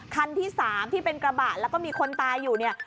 คันที่๓ที่เป็นกระบะแล้วก็มีคนตายอยู่เนี่ย